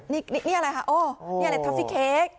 แล้วนี่นี่อะไรคะโอ้นี่อะไรท็อปซี่เค้ก